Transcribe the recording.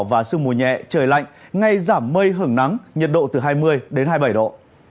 và sương mù nhẹ trời lạnh ngay giảm mây hưởng nắng nhiệt độ từ hai mươi đến hai mươi bảy độ